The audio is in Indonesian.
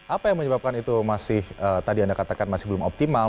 apa yang menyebabkan itu masih tadi anda katakan masih belum optimal